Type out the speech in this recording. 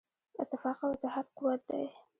اتفاق او اتحاد قوت دی.